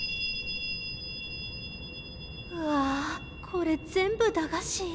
これ全部駄菓子？